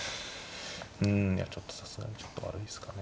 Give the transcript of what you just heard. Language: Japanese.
うんいやちょっとさすがにちょっと悪いっすかね